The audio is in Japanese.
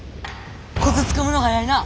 コツつかむの早いな。